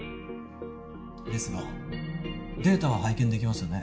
ですがデータは拝見できますよね